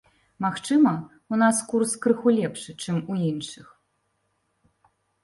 Магчыма, у нас курс крыху лепшы, чым у іншых.